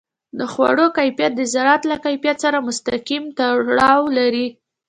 د خوړو کیفیت د زراعت له کیفیت سره مستقیم تړاو لري.